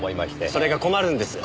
それが困るんです。